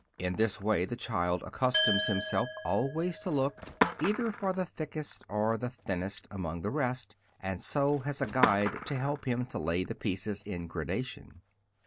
In this way the child accustoms himself always to look either for the thickest or the thinnest among the rest, and so has a guide to help him to lay the pieces in gradation.